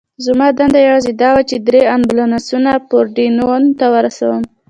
زما دنده یوازې دا وه، چې درې امبولانسونه پورډینون ته ورسوم.